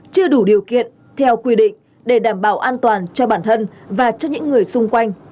chưa đủ điều kiện theo quy định để đảm bảo an toàn cho bản thân và cho những người xung quanh